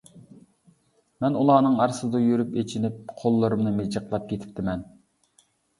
مەن ئۇلارنىڭ ئارىسىدا يۈرۈپ، ئېچىنىپ قوللىرىمنى مىجىقلاپ كېتىپتىمەن.